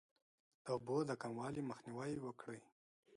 د اوبو د کموالي مخنیوی وکړئ.